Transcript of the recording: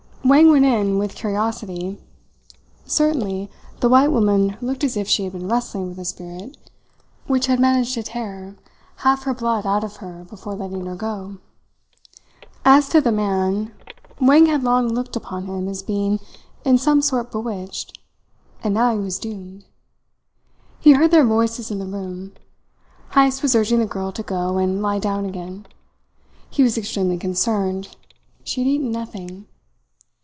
Wang went in with curiosity. Certainly, the white woman looked as if she had been wrestling with a spirit which had managed to tear half her blood out of her before letting her go. As to the man, Wang had long looked upon him as being in some sort bewitched; and now he was doomed. He heard their voices in the room. Heyst was urging the girl to go and lie down again. He was extremely concerned. She had eaten nothing.